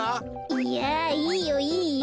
いやいいよいいよ。